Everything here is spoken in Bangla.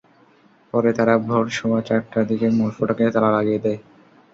পরে তারা ভোর সোয়া চারটার দিকে মূল ফটকে তালা লাগিয়ে দেয়।